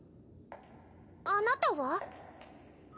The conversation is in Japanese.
あなたは？